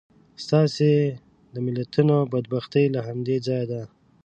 ستاسې د ملتونو بدبختي له همدې ځایه ده.